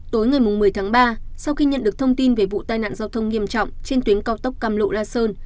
tối ngày một mươi tháng ba sau khi nhận được thông tin về vụ tai nạn giao thông nghiêm trọng trên tuyến cao tốc cam lộ la sơn